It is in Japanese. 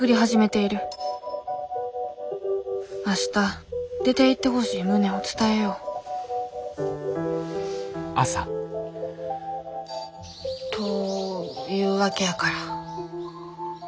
明日出ていってほしい旨を伝えようというわけやから。